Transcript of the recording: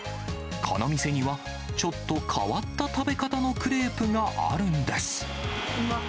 この店には、ちょっと変わった食べ方のクレープがあるんです。